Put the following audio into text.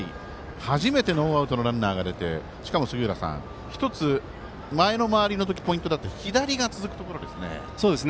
初めてノーアウトのランナーが出て、しかも１つ、前の回りの時ポイントだった左が続きます。